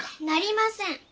なりません。